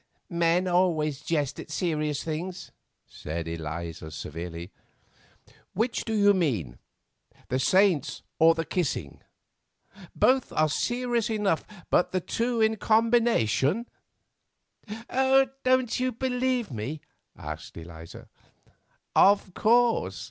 "Men always jest at serious things," said Eliza severely. "Which do you mean—the saints or the kissing? Both are serious enough, but the two in combination——" "Don't you believe me?" asked Eliza. "Of course.